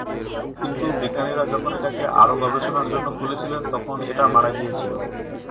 কিন্তু, বিজ্ঞানীরা যখন এটাকে আরও গবেষণা করার জন্য খুলেছিলেন, তখন এটা মারা গিয়েছিল।